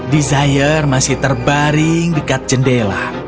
desire masih terbaring dekat jendela